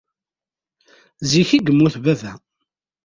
Zik i yemmut baba.